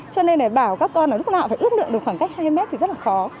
cho nên bảo các con lúc nào phải ước lượng được khoảng cách hai mươi mét thì rất là khó